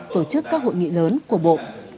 tổ chức các hội nghị lớn của bộ